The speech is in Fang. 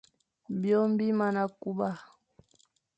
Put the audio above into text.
Byôm bi mana kuba.